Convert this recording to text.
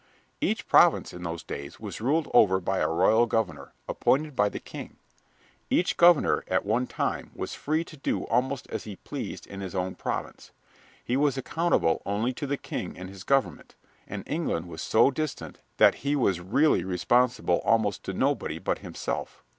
Each province in those days was ruled over by a royal governor appointed by the king. Each governor, at one time, was free to do almost as he pleased in his own province. He was accountable only to the king and his government, and England was so distant that he was really responsible almost to nobody but himself.